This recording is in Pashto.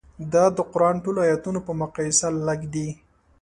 دا د قران ټولو ایتونو په مقایسه لږ دي.